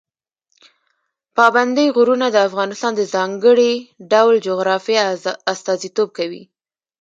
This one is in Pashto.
پابندی غرونه د افغانستان د ځانګړي ډول جغرافیه استازیتوب کوي.